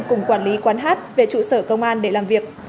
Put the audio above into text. cùng quản lý quán hát về trụ sở công an để làm việc